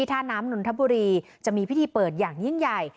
ท่าน้ำนนทบุรีจะมีพิธีเปิดอย่างยิ่งใหญ่